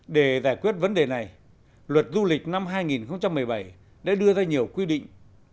để giải quyết vấn đề này luật du lịch năm hai nghìn một mươi bảy đã đưa ra nhiều quy định